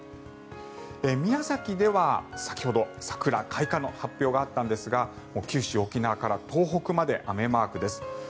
宮崎では先ほど桜開花の発表があったんですが九州、沖縄から東北まで雨マークです。